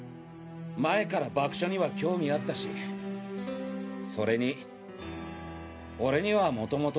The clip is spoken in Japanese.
前から爆処には興味あったしそれに俺には元々。